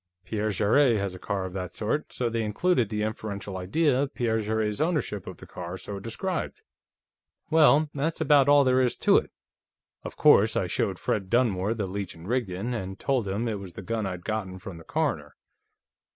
Pierre Jarrett has a car of that sort, so they included the inferential idea of Pierre Jarrett's ownership of the car so described. "Well, that's about all there is to it. Of course, I showed Fred Dunmore the Leech & Rigdon, and told him it was the gun I'd gotten from the coroner.